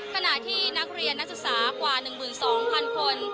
ขณะที่นักเรียนนักศึกษากว่า๑๒๐๐๐คน